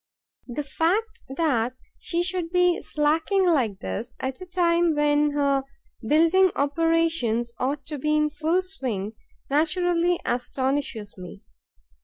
The fact that she should be slacking like this, at a time when her building operations ought to be in full swing, naturally astonishes me.